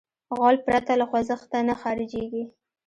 غول پرته له خوځښته نه خارجېږي.